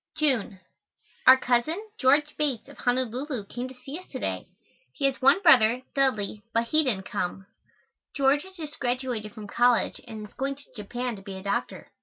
June. Our cousin, George Bates, of Honolulu, came to see us to day. He has one brother, Dudley, but he didn't come. George has just graduated from college and is going to Japan to be a doctor.